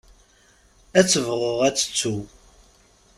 Ad tebɣu ad tettu.